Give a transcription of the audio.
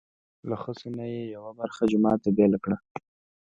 له خسو نه یې یوه برخه جومات ته بېله کړه.